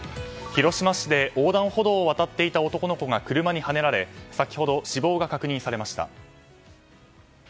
広島市で横断歩道を渡っていた男の子が車にはねられ先ほど死亡が確認されました。